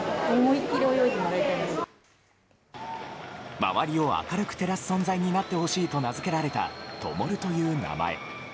周りを明るく照らす存在になってほしいと名付けられた灯という名前。